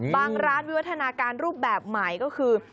ร้านวิวัฒนาการรูปแบบใหม่ก็คือ